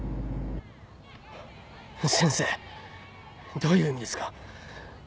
先生どういう意味ですか？